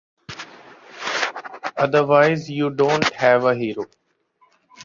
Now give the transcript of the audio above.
Otherwise you don't have a hero.